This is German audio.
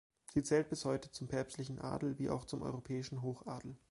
Sie zählt bis heute zum päpstlichen Adel wie auch zum europäischen Hochadel.